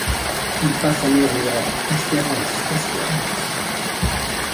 Il passe en murmurant Espérance ! espérance !